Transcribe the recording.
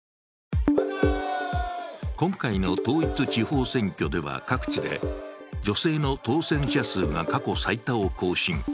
今回の統一地方選挙では各地で女性の当選者数が過去最多を更新。